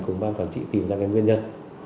cùng ban quản trị tìm ra nguyên nhân